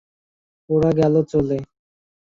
ওরা গেল চলে।